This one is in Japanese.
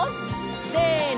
せの！